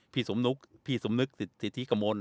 พี่สมนึกศรีธีกมนต์